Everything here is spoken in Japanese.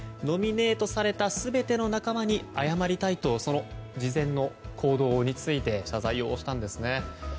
ノミネートされた全ての仲間に謝りたいと、事前の行動について謝罪をしたんですね。